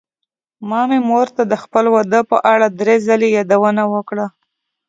ما مې مور ته د خپل واده په اړه دری ځلې يادوونه وکړه.